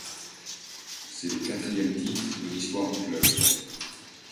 C'est le quatrième titre de l'histoire du club.